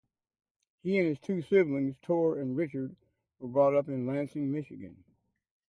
He and his two siblings, Tor and Richard, were brought up in Lansing, Michigan.